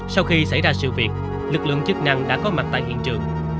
sau khi xảy ra sự việc lực lượng chức năng đã có mặt tại hiện trường